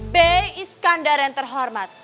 b iskandar yang terhormat